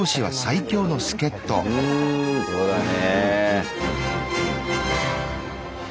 そうだね。